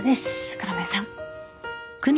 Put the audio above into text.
黒目さん